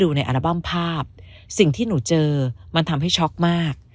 ในอัลบั้มภาพสิ่งที่หนูเจอมันทำให้ช็อกมาก